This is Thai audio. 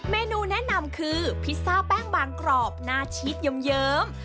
เมนูแนะนำคือพิซซ่าแป้งบางกรอบหน้าชีสเยิ้ม